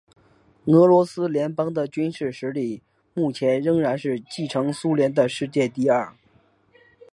俄罗斯联邦的军事实力目前仍然是继承苏联的世界第二。